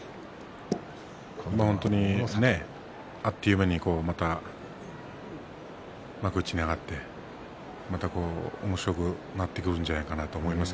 本当にあっという間にまた幕内に上がっておもしろくなってくるんじゃないかなと思います。